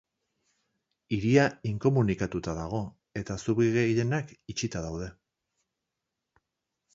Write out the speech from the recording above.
Hiria inkomunikatuta dago, eta zubi gehienak itxita daude.